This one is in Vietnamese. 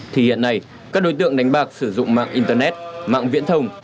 thì hiện nay các đối tượng đánh bạc sử dụng mạng internet mạng viễn thông